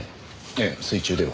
ええ水中では。